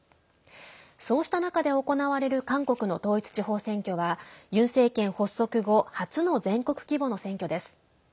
そうした中で行われる韓国の統一地方選挙はユン政権発足後初の全国規模の選挙です。